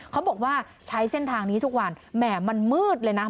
เขาบอกว่าใช้เส้นทางนี้ทุกวันแหม่มันมืดเลยนะ